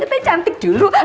kita cantik dulu